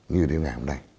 như đến ngày hôm nay